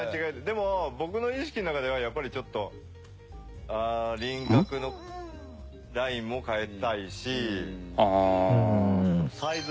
でも僕の意識の中ではやっぱりちょっと輪郭のラインも変えたいしサイズ。